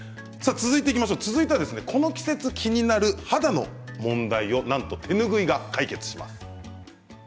続いて、この季節気になる肌の問題をなんと手ぬぐいが解決します。